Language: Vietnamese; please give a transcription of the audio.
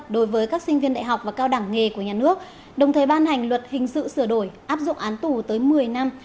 đối với các sinh viên đại học và cao đẳng nghề của nhà nước đồng thời ban hành luật hình sự sửa đổi áp dụng án tù tới một mươi năm